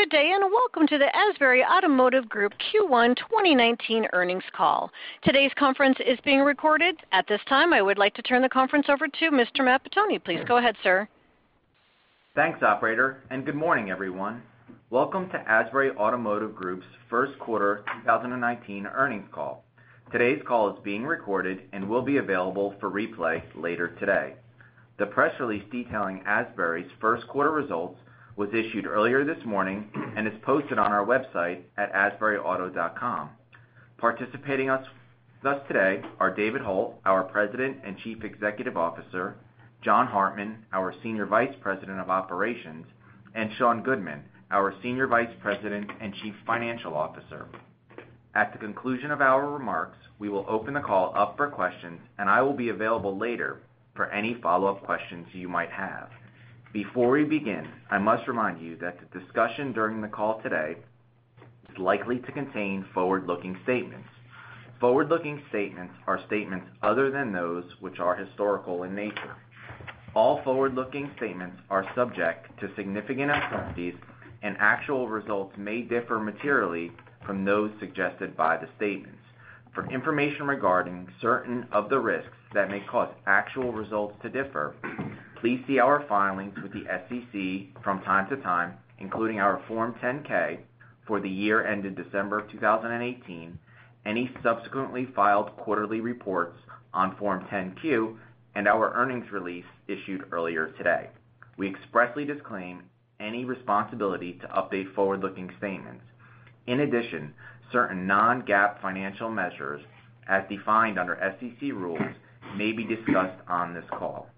Good day, and welcome to the Asbury Automotive Group Q1 2019 earnings call. Today's conference is being recorded. At this time, I would like to turn the conference over to Mr. Matt Pettoni. Please go ahead, sir. Thanks, operator, and good morning, everyone. Welcome to Asbury Automotive Group's first quarter 2019 earnings call. Today's call is being recorded and will be available for replay later today. The press release detailing Asbury's first quarter results was issued earlier this morning and is posted on our website at asburyauto.com. Participating with us today are David Hult, our President and Chief Executive Officer, John Hartman, our Senior Vice President of Operations, and Sean Goodman, our Senior Vice President and Chief Financial Officer. At the conclusion of our remarks, we will open the call up for questions, and I will be available later for any follow-up questions you might have. Before we begin, I must remind you that the discussion during the call today is likely to contain forward-looking statements. Forward-looking statements are statements other than those which are historical in nature. All forward-looking statements are subject to significant uncertainties, and actual results may differ materially from those suggested by the statements. For information regarding certain of the risks that may cause actual results to differ, please see our filings with the SEC from time to time, including our Form 10-K for the year ended December 2018, any subsequently filed quarterly reports on Form 10-Q, and our earnings release issued earlier today. We expressly disclaim any responsibility to update forward-looking statements. In addition, certain non-GAAP financial measures, as defined under SEC rules, may be discussed on this call.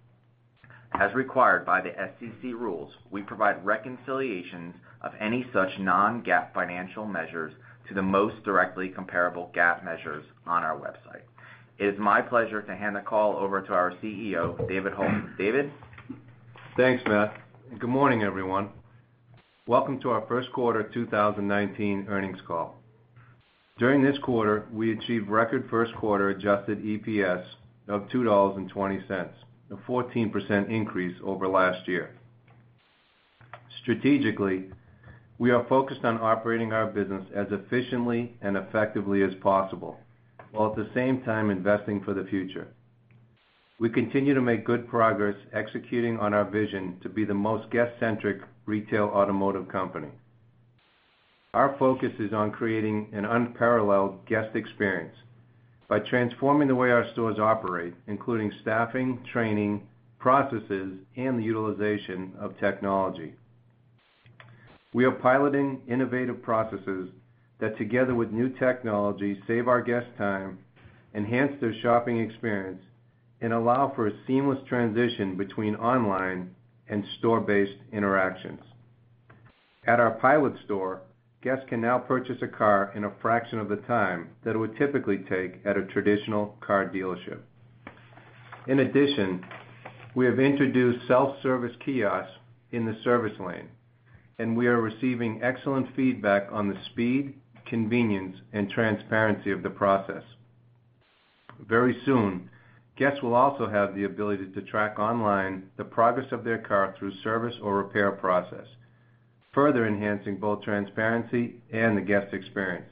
As required by the SEC rules, we provide reconciliations of any such non-GAAP financial measures to the most directly comparable GAAP measures on our website. It is my pleasure to hand the call over to our CEO, David Hult. David? Thanks, Matt. Good morning, everyone. Welcome to our first quarter 2019 earnings call. During this quarter, we achieved record first quarter adjusted EPS of $2.20, a 14% increase over last year. Strategically, we are focused on operating our business as efficiently and effectively as possible, while at the same time investing for the future. We continue to make good progress executing on our vision to be the most guest-centric retail automotive company. Our focus is on creating an unparalleled guest experience by transforming the way our stores operate, including staffing, training, processes, and the utilization of technology. We are piloting innovative processes that, together with new technology, save our guests time, enhance their shopping experience, and allow for a seamless transition between online and store-based interactions. At our pilot store, guests can now purchase a car in a fraction of the time that it would typically take at a traditional car dealership. In addition, we have introduced self-service kiosks in the service lane, and we are receiving excellent feedback on the speed, convenience, and transparency of the process. Very soon, guests will also have the ability to track online the progress of their car through service or repair process, further enhancing both transparency and the guest experience,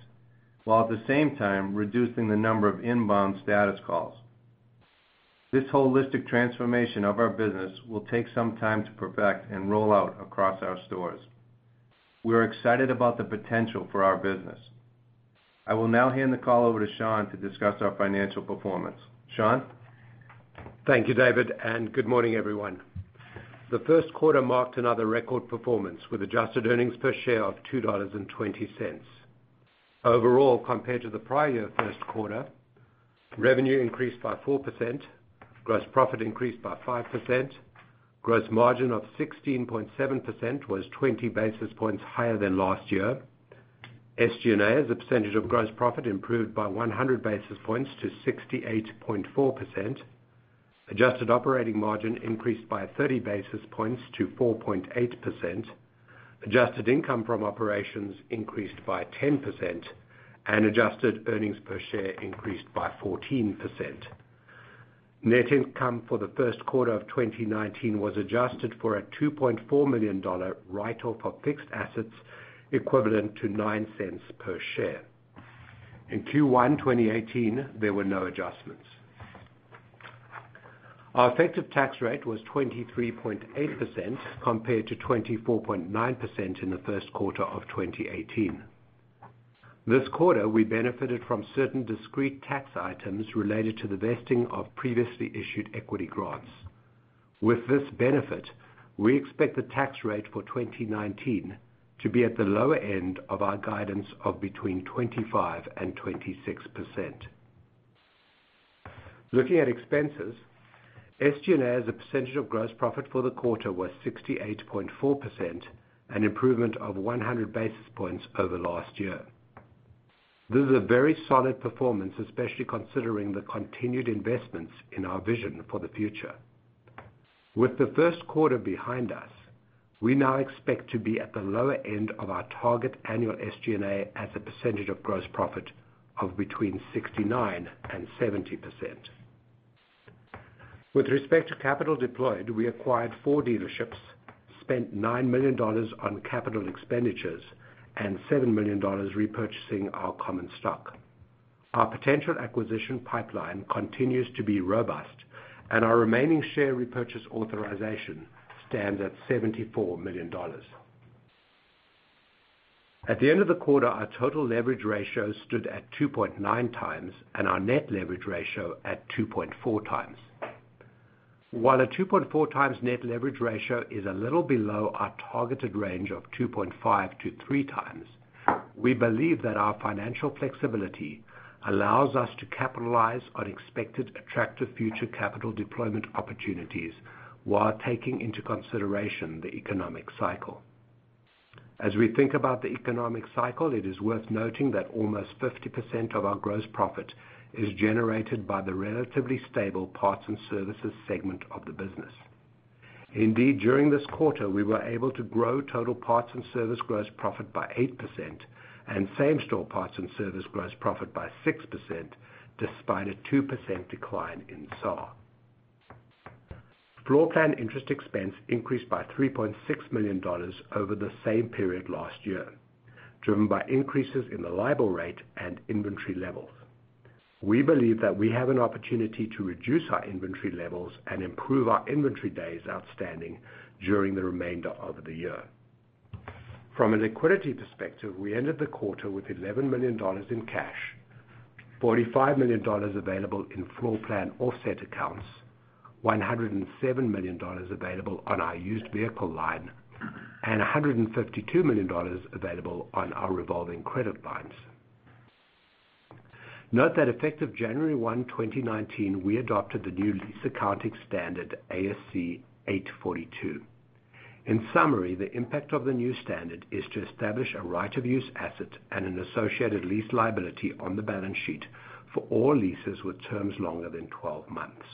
while at the same time reducing the number of inbound status calls. This holistic transformation of our business will take some time to perfect and roll out across our stores. We are excited about the potential for our business. I will now hand the call over to Sean to discuss our financial performance. Sean? Thank you, David, and good morning, everyone. The first quarter marked another record performance with adjusted earnings per share of $2.20. Overall, compared to the prior year first quarter, revenue increased by 4%, gross profit increased by 5%, gross margin of 16.7% was 20 basis points higher than last year. SG&A as a percentage of gross profit improved by 100 basis points to 68.4%. Adjusted operating margin increased by 30 basis points to 4.8%. Adjusted income from operations increased by 10%, and adjusted earnings per share increased by 14%. Net income for the first quarter of 2019 was adjusted for a $2.4 million write-off of fixed assets, equivalent to $0.09 per share. In Q1 2018, there were no adjustments. Our effective tax rate was 23.8%, compared to 24.9% in the first quarter of 2018. This quarter, we benefited from certain discrete tax items related to the vesting of previously issued equity grants. With this benefit, we expect the tax rate for 2019 to be at the lower end of our guidance of between 25% and 26%. Looking at expenses, SG&A as a percentage of gross profit for the quarter was 68.4%, an improvement of 100 basis points over last year. This is a very solid performance, especially considering the continued investments in our vision for the future. With the first quarter behind us, we now expect to be at the lower end of our target annual SG&A as a percentage of gross profit of between 69% and 70%. With respect to capital deployed, we acquired four dealerships, spent $9 million on capital expenditures, and $7 million repurchasing our common stock. Our potential acquisition pipeline continues to be robust, and our remaining share repurchase authorization stands at $74 million. At the end of the quarter, our total leverage ratio stood at 2.9 times, and our net leverage ratio at 2.4 times. While a 2.4 times net leverage ratio is a little below our targeted range of 2.5 to three times, we believe that our financial flexibility allows us to capitalize on expected attractive future capital deployment opportunities while taking into consideration the economic cycle. As we think about the economic cycle, it is worth noting that almost 50% of our gross profit is generated by the relatively stable parts and services segment of the business. Indeed, during this quarter, we were able to grow total parts and service gross profit by 8% and same-store parts and service gross profit by 6%, despite a 2% decline in SAAR. Floorplan interest expense increased by $3.6 million over the same period last year, driven by increases in the LIBOR rate and inventory levels. We believe that we have an opportunity to reduce our inventory levels and improve our inventory days outstanding during the remainder of the year. From a liquidity perspective, we ended the quarter with $11 million in cash, $45 million available in floorplan offset accounts, $107 million available on our used vehicle line, and $152 million available on our revolving credit lines. Note that effective January 1st, 2019, we adopted the new lease accounting standard ASC 842. In summary, the impact of the new standard is to establish a right-of-use asset and an associated lease liability on the balance sheet for all leases with terms longer than 12 months.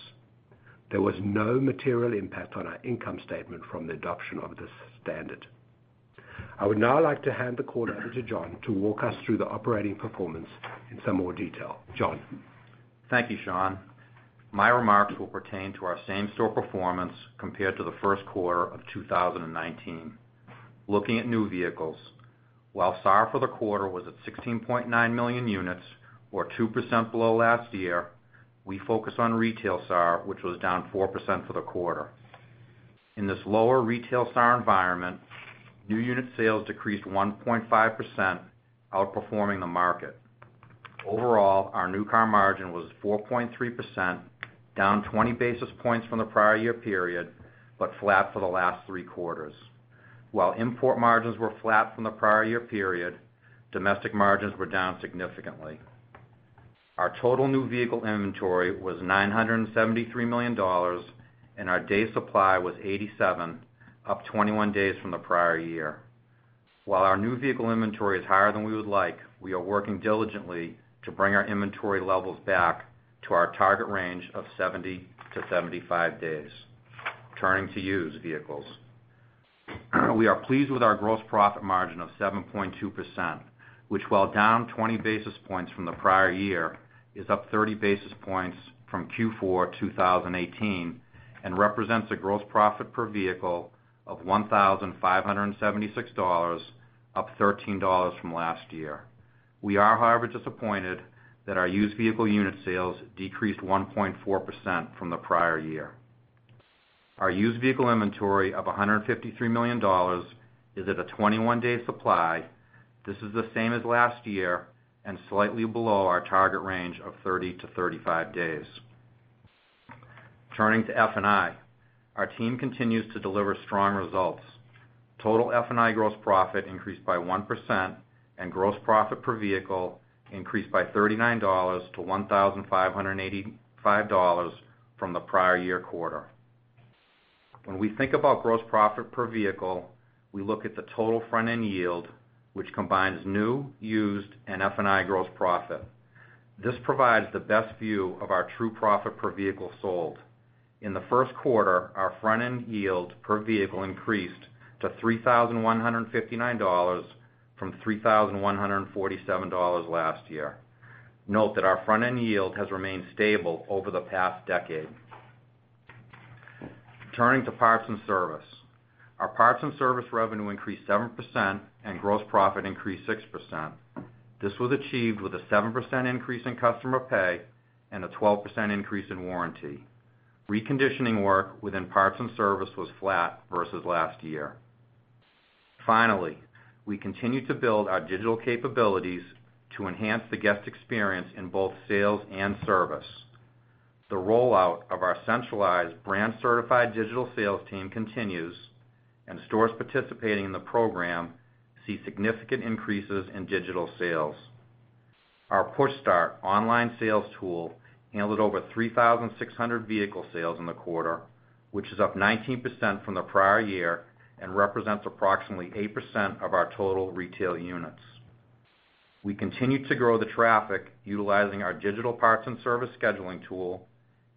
There was no material impact on our income statement from the adoption of this standard. I would now like to hand the call over to John to walk us through the operating performance in some more detail. John? Thank you, Sean. My remarks will pertain to our same-store performance compared to the first quarter of 2019. Looking at new vehicles. While SAAR for the quarter was at 16.9 million units, or 2% below last year, we focus on retail SAAR, which was down 4% for the quarter. In this lower retail SAAR environment, new unit sales decreased 1.5%, outperforming the market. Overall, our new car margin was 4.3%, down 20 basis points from the prior year period, but flat for the last three quarters. While import margins were flat from the prior year period, domestic margins were down significantly. Our total new vehicle inventory was $973 million, and our day supply was 87, up 21 days from the prior year. While our new vehicle inventory is higher than we would like, we are working diligently to bring our inventory levels back to our target range of 70 to 75 days. Turning to used vehicles. We are pleased with our gross profit margin of 7.2%, which, while down 20 basis points from the prior year, is up 30 basis points from Q4 2018 and represents a gross profit per vehicle of $1,576, up $13 from last year. We are, however, disappointed that our used vehicle unit sales decreased 1.4% from the prior year. Our used vehicle inventory of $153 million is at a 21-day supply. This is the same as last year and slightly below our target range of 30 to 35 days. Turning to F&I. Our team continues to deliver strong results. Total F&I gross profit increased by 1%, and gross profit per vehicle increased by $39 to $1,585 from the prior year quarter. When we think about gross profit per vehicle, we look at the total front-end yield, which combines new, used, and F&I gross profit. This provides the best view of our true profit per vehicle sold. In the first quarter, our front-end yield per vehicle increased to $3,159 from $3,147 last year. Note that our front-end yield has remained stable over the past decade. Turning to parts and service. Our parts and service revenue increased 7%, and gross profit increased 6%. This was achieved with a 7% increase in customer pay and a 12% increase in warranty. Reconditioning work within parts and service was flat versus last year. Finally, we continue to build our digital capabilities to enhance the guest experience in both sales and service. The rollout of our centralized brand-certified digital sales team continues. Stores participating in the program see significant increases in digital sales. Our Push Start online sales tool handled over 3,600 vehicle sales in the quarter, which is up 19% from the prior year and represents approximately 8% of our total retail units. We continued to grow the traffic utilizing our digital parts and service scheduling tool,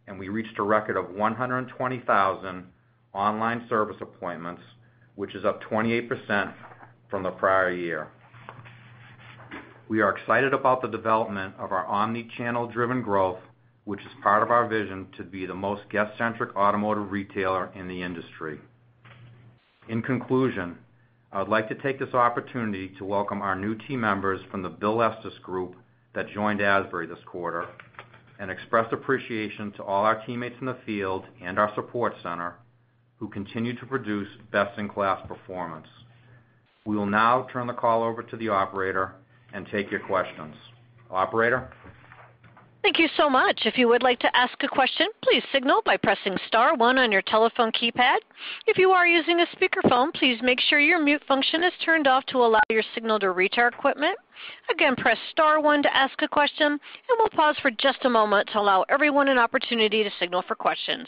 and we reached a record of 120,000 online service appointments, which is up 28% from the prior year. We are excited about the development of our omni-channel driven growth, which is part of our vision to be the most guest-centric automotive retailer in the industry. In conclusion, I would like to take this opportunity to welcome our new team members from the Bill Estes group that joined Asbury this quarter. Express appreciation to all our teammates in the field and our support center who continue to produce best-in-class performance. We will now turn the call over to the operator and take your questions. Operator? Thank you so much. If you would like to ask a question, please signal by pressing star one on your telephone keypad. If you are using a speakerphone, please make sure your mute function is turned off to allow your signal to reach our equipment. Again, press star one to ask a question. We'll pause for just a moment to allow everyone an opportunity to signal for questions.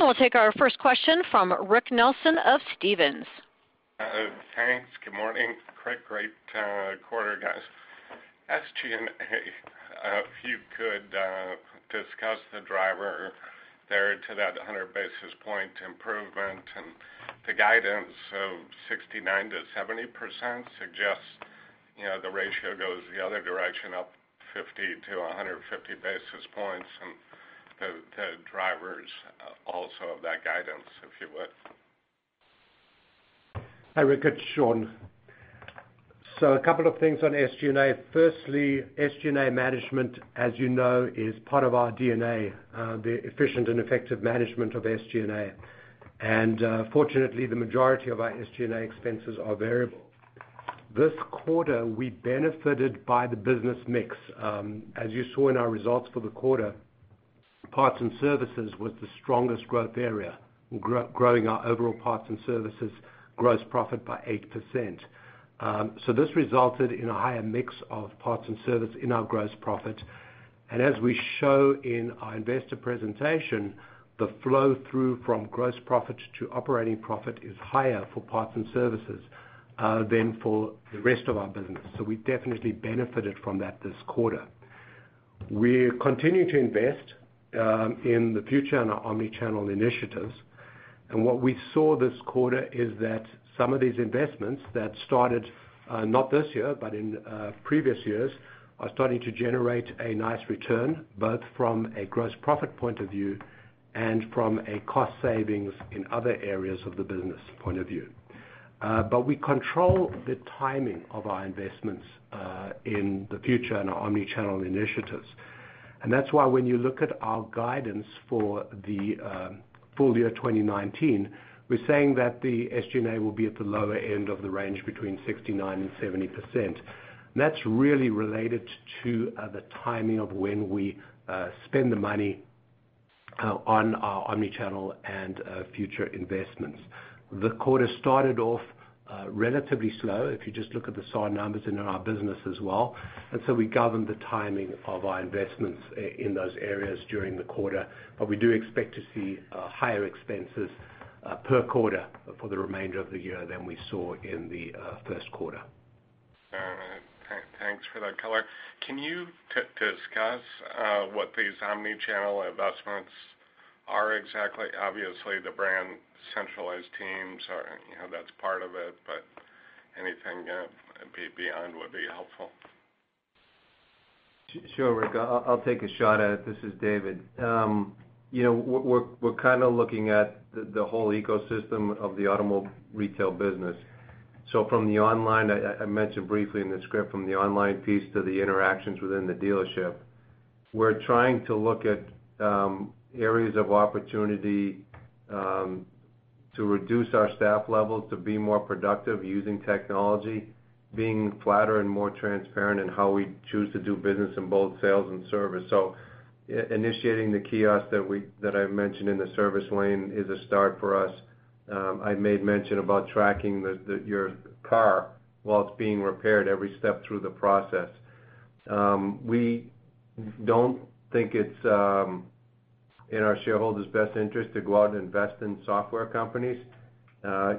We'll take our first question from Rick Nelson of Stephens. Thanks. Good morning. Quite a great quarter, guys. SG&A, if you could discuss the driver there to that 100 basis point improvement. The guidance of 69%-70% suggests the ratio goes the other direction up 50 to 150 basis points, and the drivers also of that guidance, if you would. Hi, Rick. It's Sean. A couple of things on SG&A. Firstly, SG&A management, as you know, is part of our DNA, the efficient and effective management of SG&A. Fortunately, the majority of our SG&A expenses are variable. This quarter, we benefited by the business mix. As you saw in our results for the quarter, parts and services was the strongest growth area, growing our overall parts and services gross profit by 8%. This resulted in a higher mix of parts and service in our gross profit. As we show in our investor presentation, the flow-through from gross profit to operating profit is higher for parts and services than for the rest of our business. We definitely benefited from that this quarter. We continue to invest in the future in our omni-channel initiatives. What we saw this quarter is that some of these investments that started, not this year, but in previous years, are starting to generate a nice return, both from a gross profit point of view and from a cost savings in other areas of the business point of view. We control the timing of our investments in the future and our omni-channel initiatives. That's why when you look at our guidance for the full year 2019, we're saying that the SG&A will be at the lower end of the range between 69%-70%. That's really related to the timing of when we spend the money on our omni-channel and future investments. The quarter started off relatively slow, if you just look at the SAAR numbers in our business as well. We governed the timing of our investments in those areas during the quarter. We do expect to see higher expenses per quarter for the remainder of the year than we saw in the first quarter. Thanks for that color. Can you discuss what these omni-channel investments are exactly? Obviously, the brand centralized teams, that's part of it, but anything beyond would be helpful. Sure, Rick. I'll take a shot at it. This is David. We're looking at the whole ecosystem of the automobile retail business. From the online, I mentioned briefly in the script, from the online piece to the interactions within the dealership. We're trying to look at areas of opportunity to reduce our staff levels, to be more productive using technology, being flatter and more transparent in how we choose to do business in both sales and service. Initiating the kiosk that I mentioned in the service lane is a start for us. I made mention about tracking your car while it's being repaired every step through the process. We don't think it's in our shareholders' best interest to go out and invest in software companies.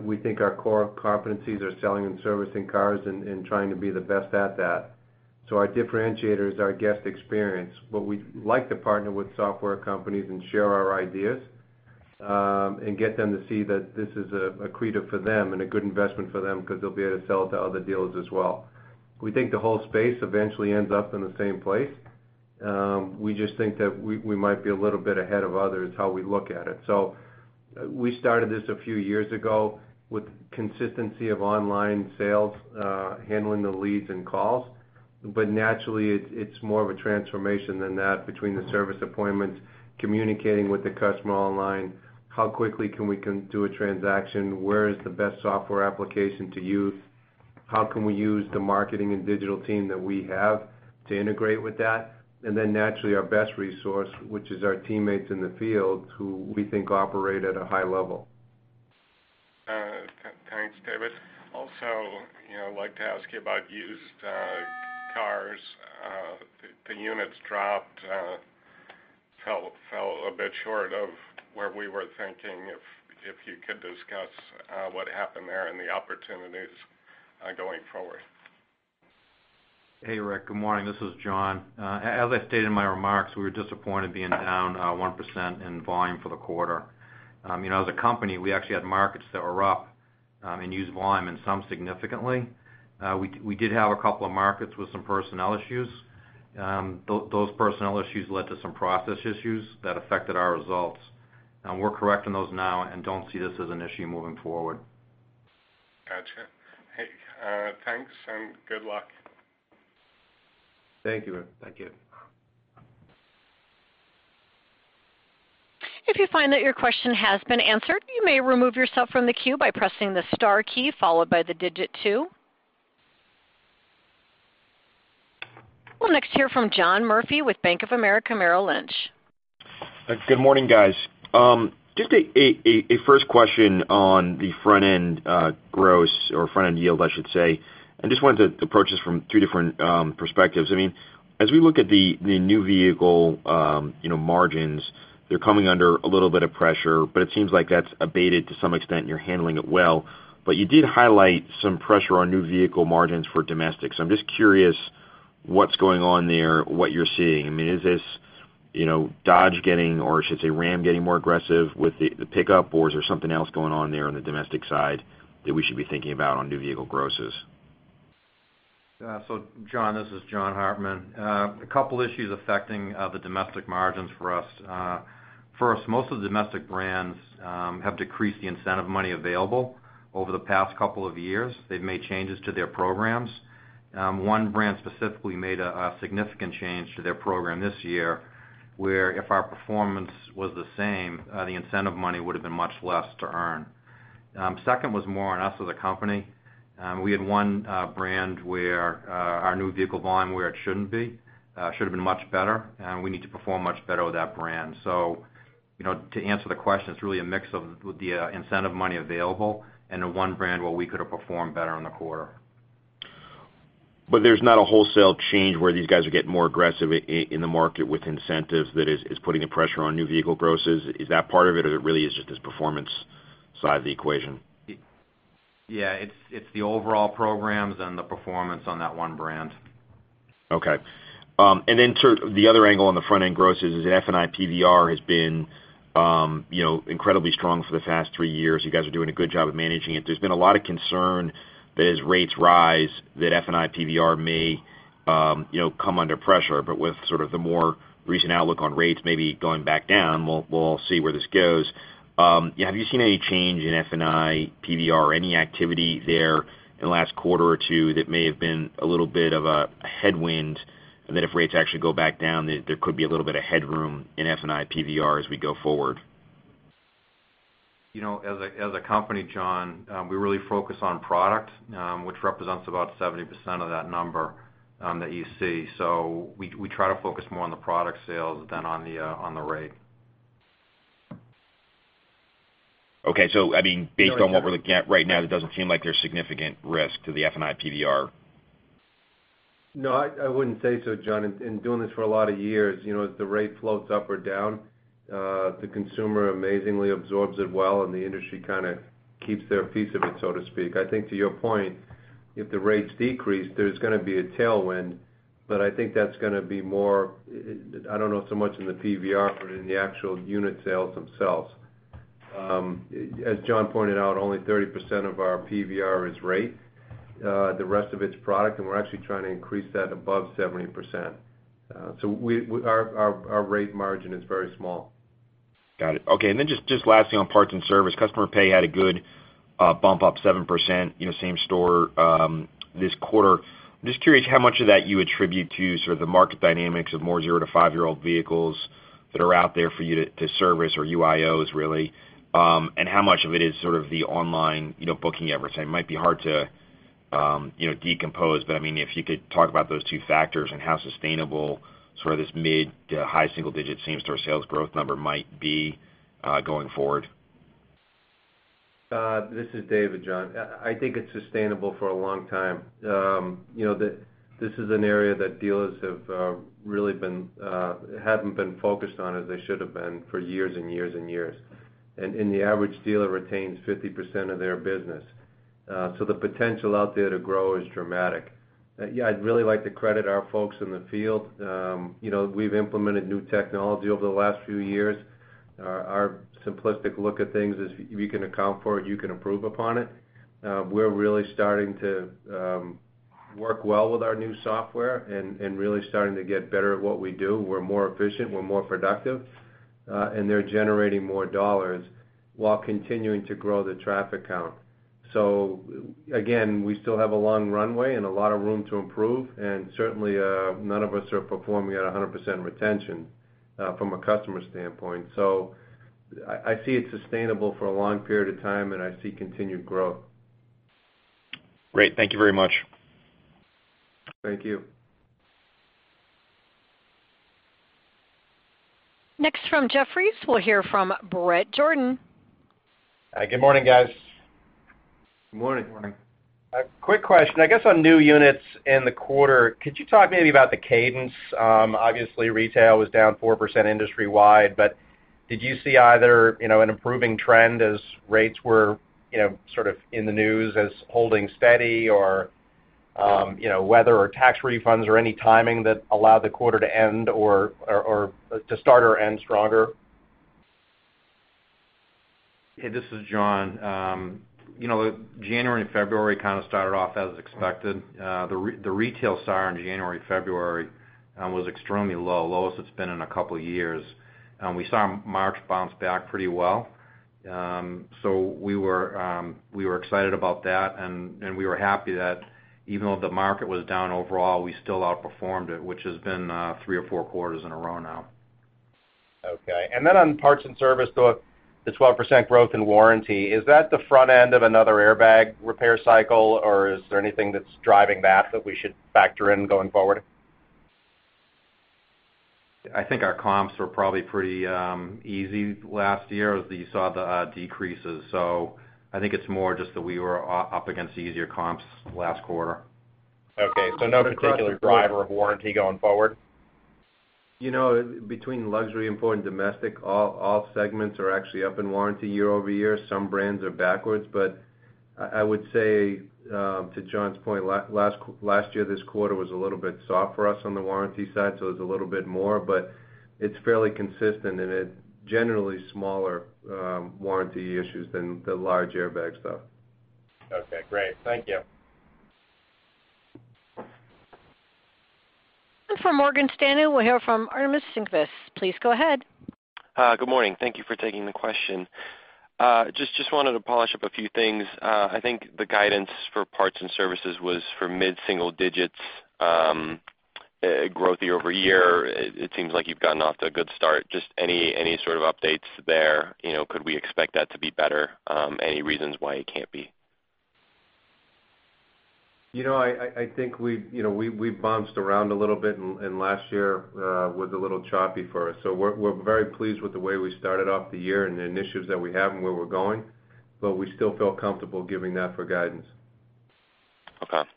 We think our core competencies are selling and servicing cars and trying to be the best at that. Our differentiator is our guest experience. We like to partner with software companies and share our ideas, and get them to see that this is an accretive for them and a good investment for them because they'll be able to sell it to other dealers as well. We think the whole space eventually ends up in the same place. We just think that we might be a little bit ahead of others how we look at it. We started this a few years ago with consistency of online sales, handling the leads and calls. Naturally, it's more of a transformation than that between the service appointments, communicating with the customer online, how quickly can we do a transaction? Where is the best software application to use? How can we use the marketing and digital team that we have to integrate with that? Naturally, our best resource, which is our teammates in the field, who we think operate at a high level. Thanks, David. Like to ask you about used cars. The units dropped, fell a bit short of where we were thinking. If you could discuss what happened there and the opportunities going forward. Hey, Rick, good morning. This is John. As I stated in my remarks, we were disappointed being down 1% in volume for the quarter. As a company, we actually had markets that were up in used volume and some significantly. We did have a couple of markets with some personnel issues. Those personnel issues led to some process issues that affected our results. We're correcting those now and don't see this as an issue moving forward. Got you. Hey, thanks, and good luck. Thank you, Rick. Thank you. If you find that your question has been answered, you may remove yourself from the queue by pressing the star key, followed by the digit 2. We'll next hear from John Murphy with Bank of America Merrill Lynch. Good morning, guys. Just a first question on the front-end gross or front-end yield, I should say. I just wanted to approach this from two different perspectives. As we look at the new vehicle margins, they're coming under a little bit of pressure, but it seems like that's abated to some extent and you're handling it well. You did highlight some pressure on new vehicle margins for domestic. I'm just curious what's going on there, what you're seeing. Is this Dodge getting, or I should say Ram getting more aggressive with the pickup? Is there something else going on there on the domestic side that we should be thinking about on new vehicle grosses? John, this is John Hartman. A couple issues affecting the domestic margins for us. First, most of the domestic brands have decreased the incentive money available over the past couple of years. They've made changes to their programs. One brand specifically made a significant change to their program this year, where if our performance was the same, the incentive money would have been much less to earn. Second was more on us as a company. We had one brand where our new vehicle volume where it shouldn't be. Should've been much better, and we need to perform much better with that brand. To answer the question, it's really a mix of the incentive money available and the one brand where we could have performed better in the quarter. There's not a wholesale change where these guys are getting more aggressive in the market with incentives that is putting the pressure on new vehicle grosses. Is that part of it or it really is just this performance side of the equation? Yeah, it is the overall programs and the performance on that one brand. Then sort of the other angle on the front-end grosses is F&I PVR has been incredibly strong for the past three years. You guys are doing a good job of managing it. There has been a lot of concern that as rates rise, that F&I PVR may come under pressure. But with sort of the more recent outlook on rates maybe going back down, we will all see where this goes. Have you seen any change in F&I PVR or any activity there in the last quarter or two that may have been a little bit of a headwind and that if rates actually go back down, there could be a little bit of headroom in F&I PVR as we go forward? As a company, John, we really focus on product, which represents about 70% of that number that you see. We try to focus more on the product sales than on the rate. Okay. Based on what we are looking at right now, it does not seem like there is significant risk to the F&I PVR. No, I wouldn't say so, John. In doing this for a lot of years, as the rate floats up or down, the consumer amazingly absorbs it well and the industry kind of keeps their piece of it, so to speak. I think to your point, if the rates decrease, there's going to be a tailwind, but I think that's going to be more, I don't know so much in the PVR, but in the actual unit sales themselves. As John pointed out, only 30% of our PVR is rate. The rest of it's product, and we're actually trying to increase that above 70%. Our rate margin is very small. Got it. Just lastly on parts and service. Customer pay had a good bump up 7%, same store, this quarter. I'm just curious how much of that you attribute to sort of the market dynamics of more 0 to 5-year-old vehicles that are out there for you to service or UIOs really, and how much of it is sort of the online booking effort. It might be hard to decompose, but if you could talk about those two factors and how sustainable sort of this mid to high single-digit same store sales growth number might be going forward. This is David, John. I think it's sustainable for a long time. This is an area that dealers really haven't been focused on as they should have been for years and years and years. The average dealer retains 50% of their business. The potential out there to grow is dramatic. Yeah, I'd really like to credit our folks in the field. We've implemented new technology over the last few years. Our simplistic look at things is if you can account for it, you can improve upon it. We're really starting to work well with our new software and really starting to get better at what we do. We're more efficient, we're more productive. They're generating more dollars while continuing to grow the traffic count. Again, we still have a long runway and a lot of room to improve, and certainly, none of us are performing at 100% retention from a customer standpoint. I see it sustainable for a long period of time, and I see continued growth. Great. Thank you very much. Thank you. Next from Jefferies, we'll hear from Bret Jordan. Good morning, guys. Good morning. Good morning. A quick question. I guess on new units in the quarter, could you talk maybe about the cadence? Obviously, retail was down 4% industry-wide. Did you see either an improving trend as rates were sort of in the news as holding steady or weather or tax refunds or any timing that allowed the quarter to start or end stronger? Hey, this is John. January and February kind of started off as expected. The retail SAAR in January, February was extremely low, lowest it's been in a couple of years. We saw March bounce back pretty well. We were excited about that and we were happy that even though the market was down overall, we still outperformed it, which has been three or four quarters in a row now. Okay. Then on parts and service, the 12% growth in warranty, is that the front end of another airbag repair cycle, or is there anything that's driving that we should factor in going forward? I think our comps were probably pretty easy last year as you saw the decreases. I think it's more just that we were up against easier comps last quarter. Okay, no particular driver of warranty going forward? Between luxury, import, and domestic, all segments are actually up in warranty year-over-year. Some brands are backwards, but I would say, to John's point, last year, this quarter was a little bit soft for us on the warranty side, so it was a little bit more, but it's fairly consistent and generally smaller warranty issues than the large airbag stuff. Okay, great. Thank you. From Morgan Stanley, we'll hear from Armintas Sinkevicius. Please go ahead. Hi, good morning. Thank you for taking the question. Just wanted to polish up a few things. I think the guidance for parts and services was for mid-single digits growth year-over-year. It seems like you've gotten off to a good start. Just any sort of updates there? Could we expect that to be better? Any reasons why it can't be? I think we've bounced around a little bit and last year was a little choppy for us. We're very pleased with the way we started off the year and the initiatives that we have and where we're going, but we still feel comfortable giving that for guidance. Okay.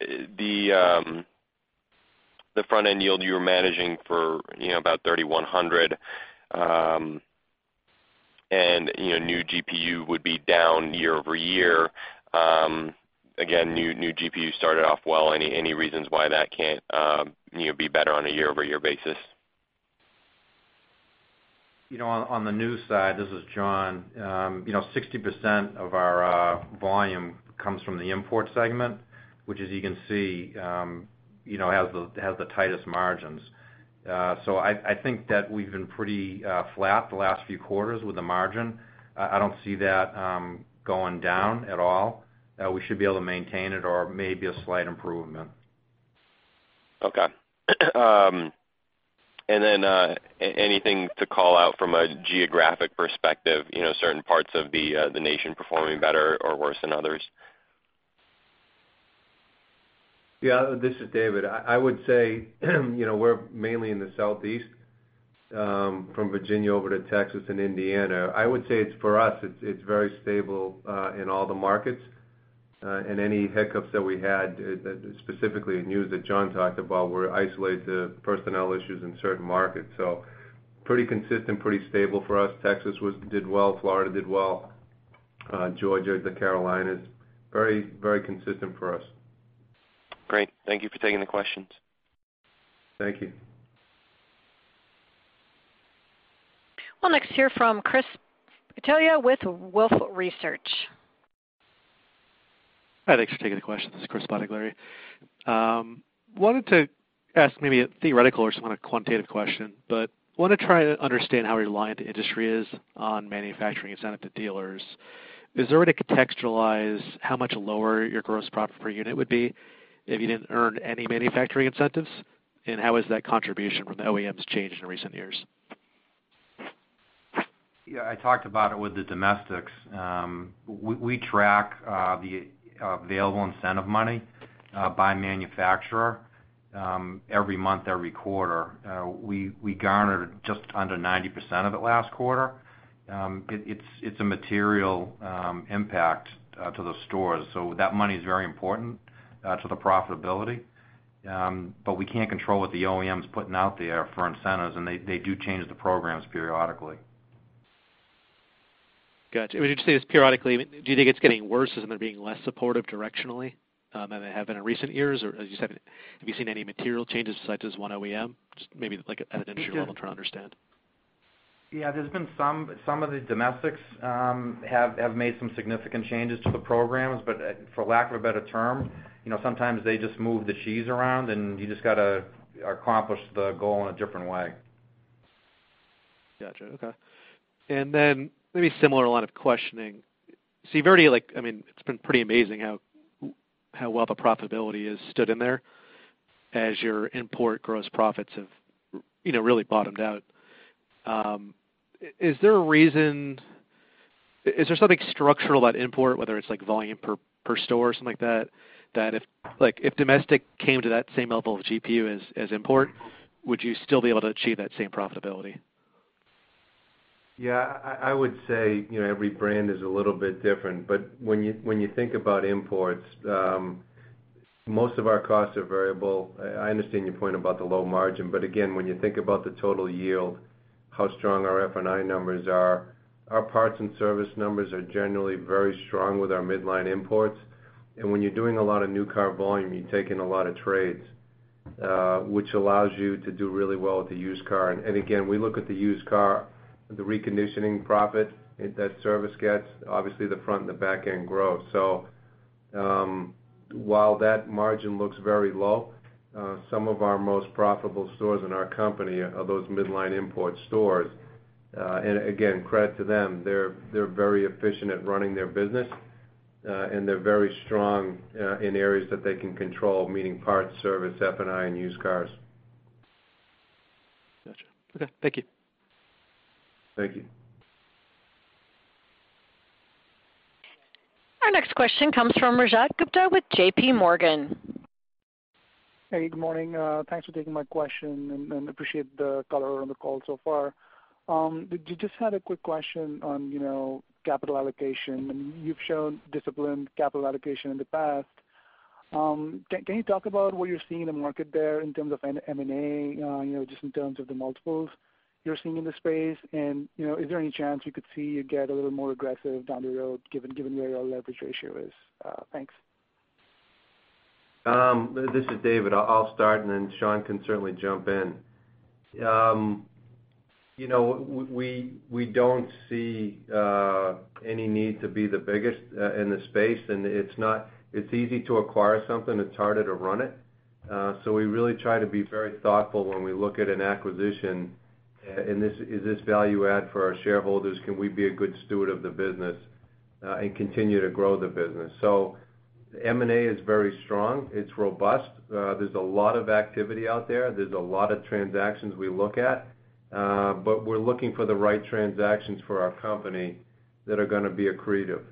The front-end yield you were managing for about $3,100, new GPU would be down year-over-year. New GPU started off well. Any reasons why that can't be better on a year-over-year basis? On the new side, this is John, 60% of our volume comes from the import segment, which, as you can see has the tightest margins. I think that we've been pretty flat the last few quarters with the margin. I don't see that going down at all. We should be able to maintain it or maybe a slight improvement. Okay. Anything to call out from a geographic perspective, certain parts of the nation performing better or worse than others? Yeah, this is David. I would say, we're mainly in the Southeast, from Virginia over to Texas and Indiana. I would say for us, it's very stable in all the markets. Any hiccups that we had, specifically in news that John talked about, were isolated to personnel issues in certain markets. Pretty consistent, pretty stable for us. Texas did well, Florida did well, Georgia, the Carolinas. Very consistent for us. Great. Thank you for taking the questions. Thank you. We'll next hear from Chris Battaglia with Wolfe Research. Hi, thanks for taking the question. This is Chris Battaglia. Wanted to ask maybe a theoretical or just more of a quantitative question, but want to try to understand how reliant the industry is on manufacturing incentive to dealers. Is there a way to contextualize how much lower your gross profit per unit would be if you didn't earn any manufacturing incentives? How has that contribution from the OEMs changed in recent years? I talked about it with the domestics. We track the available incentive money by manufacturer every month, every quarter. We garnered just under 90% of it last quarter. It's a material impact to the stores. That money is very important to the profitability, we can't control what the OEMs putting out there for incentives, and they do change the programs periodically. Got you. When you say it's periodically, do you think it's getting worse? Is it they're being less supportive directionally than they have been in recent years? As you said, have you seen any material changes such as one OEM, just maybe like at an industry level to try to understand? There's been some of the domestics have made some significant changes to the programs, for lack of a better term, sometimes they just move the cheese around and you just got to accomplish the goal in a different way. Got you. Okay. Then maybe similar line of questioning. You've already like, it's been pretty amazing how well the profitability has stood in there as your import gross profits have really bottomed out. Is there something structural at import, whether it's like volume per store or something like that if domestic came to that same level of GPU as import, would you still be able to achieve that same profitability? Yeah, I would say every brand is a little bit different. When you think about imports, most of our costs are variable. I understand your point about the low margin, but again, when you think about the total yield, how strong our F&I numbers are, our parts and service numbers are generally very strong with our midline imports. When you're doing a lot of new car volume, you're taking a lot of trades, which allows you to do really well with the used car. Again, we look at the used car, the reconditioning profit that service gets, obviously the front and the back end growth. While that margin looks very low, some of our most profitable stores in our company are those midline import stores. Again, credit to them, they're very efficient at running their business, and they're very strong in areas that they can control, meaning parts, service, F&I, and used cars. Got you. Okay. Thank you. Thank you. Our next question comes from Rajat Gupta with JP Morgan. Hey, good morning. Thanks for taking my question and appreciate the color on the call so far. Just had a quick question on capital allocation, and you've shown disciplined capital allocation in the past. Can you talk about what you're seeing in the market there in terms of M&A, just in terms of the multiples you're seeing in the space? Is there any chance you could see you get a little more aggressive down the road given where your leverage ratio is? Thanks. This is David. I'll start and then Sean can certainly jump in. We don't see any need to be the biggest in the space, and it's easy to acquire something, it's harder to run it. We really try to be very thoughtful when we look at an acquisition. Is this value add for our shareholders? Can we be a good steward of the business and continue to grow the business? M&A is very strong. It's robust. There's a lot of activity out there. There's a lot of transactions we look at. We're looking for the right transactions for our company that are going to be accretive.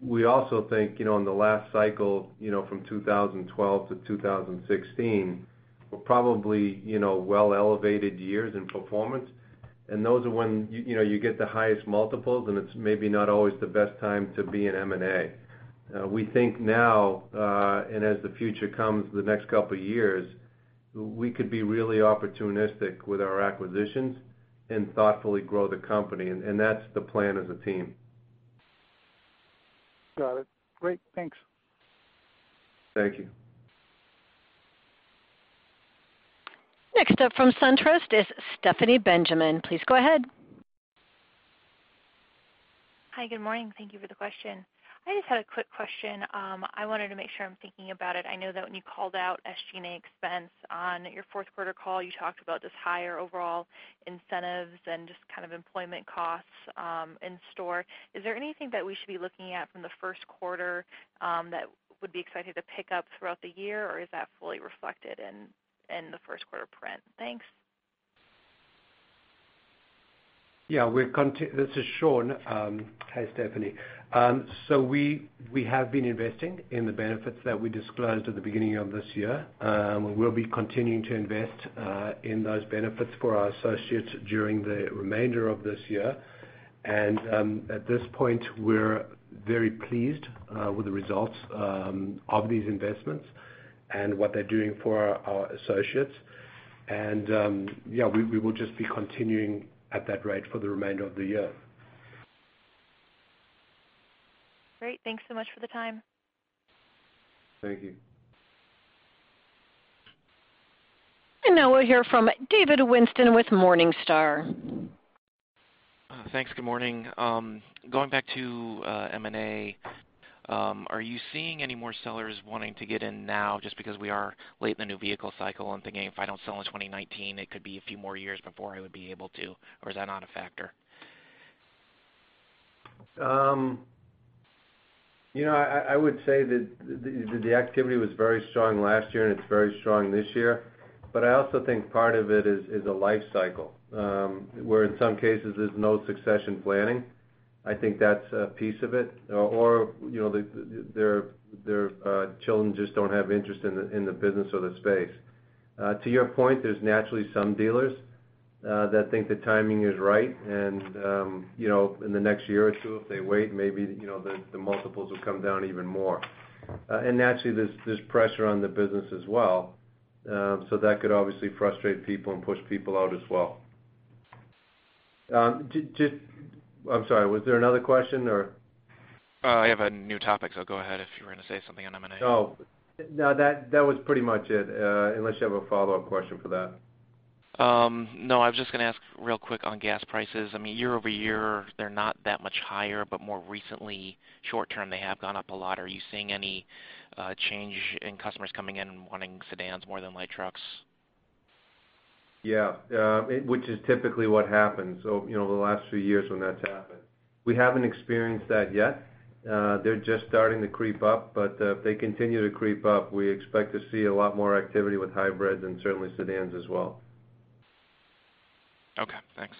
We also think, in the last cycle, from 2012 to 2016, were probably well elevated years in performance. Those are when you get the highest multiples and it's maybe not always the best time to be in M&A. We think now, and as the future comes the next couple of years, we could be really opportunistic with our acquisitions and thoughtfully grow the company. That's the plan as a team. Got it. Great. Thanks. Thank you. Next up from SunTrust is Stephanie Benjamin. Please go ahead. Hi, good morning. Thank you for the question. I just had a quick question. I wanted to make sure I'm thinking about it. I know that when you called out SG&A expense on your fourth quarter call, you talked about just higher overall incentives and just kind of employment costs in store. Is there anything that we should be looking at from the first quarter that would be expected to pick up throughout the year? Or is that fully reflected in the first quarter print? Thanks. Yeah. This is Sean. Hi, Stephanie. We have been investing in the benefits that we disclosed at the beginning of this year. We'll be continuing to invest in those benefits for our associates during the remainder of this year. At this point, we're very pleased with the results of these investments and what they're doing for our associates. We will just be continuing at that rate for the remainder of the year. Great. Thanks so much for the time. Thank you. Now we'll hear from David Whiston with Morningstar. Thanks. Good morning. Going back to M&A, are you seeing any more sellers wanting to get in now just because we are late in the new vehicle cycle and thinking, "If I don't sell in 2019, it could be a few more years before I would be able to?" Is that not a factor? I would say that the activity was very strong last year, and it's very strong this year. I also think part of it is a life cycle, where in some cases there's no succession planning. I think that's a piece of it. Their children just don't have interest in the business or the space. To your point, there's naturally some dealers that think the timing is right and in the next year or 2, if they wait, maybe the multiples will come down even more. Naturally, there's pressure on the business as well. That could obviously frustrate people and push people out as well. I'm sorry, was there another question, or? I have a new topic, go ahead if you were going to say something on M&A. No, that was pretty much it, unless you have a follow-up question for that. No, I mean, year-over-year, they're not that much higher, but more recently, short-term, they have gone up a lot. Are you seeing any change in customers coming in and wanting sedans more than light trucks? Yeah, which is typically what happens over the last few years when that's happened. We haven't experienced that yet. They're just starting to creep up, if they continue to creep up, we expect to see a lot more activity with hybrids and certainly sedans as well. Okay, thanks.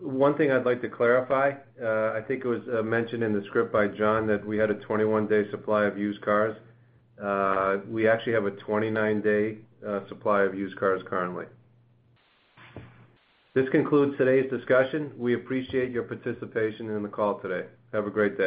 One thing I'd like to clarify, I think it was mentioned in the script by John that we had a 21-day supply of used cars. We actually have a 29-day supply of used cars currently. This concludes today's discussion. We appreciate your participation in the call today. Have a great day.